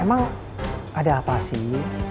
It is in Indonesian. emang ada apa sih